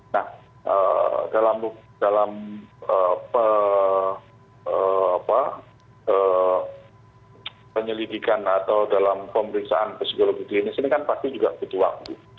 nah dalam penyelidikan atau dalam pemeriksaan psikologi klinis ini kan pasti juga butuh waktu